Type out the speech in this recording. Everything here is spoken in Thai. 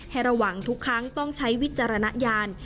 ให้ระวังทุกครั้งต้องใช้วิจารณญาณ